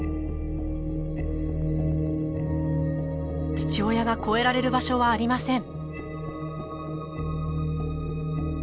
父親が越えられる場所はありません。